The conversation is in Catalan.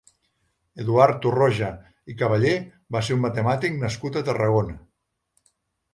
Eduard Torroja i Caballé va ser un matemàtic nascut a Tarragona.